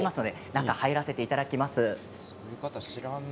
中に入らせていただきます。